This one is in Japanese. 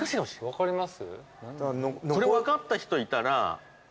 分かります？えっ！？